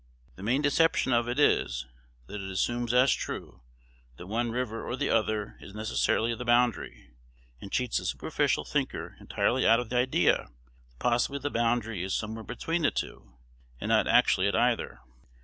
The main deception of it is, that it assumes as true, that one river or the other is necessarily the boundary, and cheats the superficial thinker entirely out of the idea that possibly the boundary is somewhere between the two, and not actually at either.